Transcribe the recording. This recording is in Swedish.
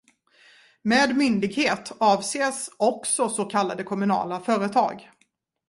Med myndighet avses också så kallade kommunala företag.